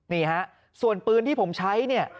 นี่ฮะส่วนปืนที่ผมใช้เนี่ย